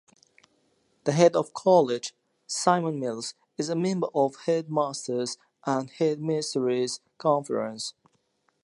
The Head of College, Simon Mills, is a member of Headmasters' and Headmistresses' Conference.